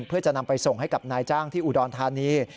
เพื่อจะนำไปส่งให้กับนายจ้างที่อุดรธานี